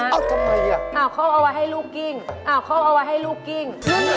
การต่อไม่ได้สิฮะข้าวเอาไว้ให้ลูกกิ้ง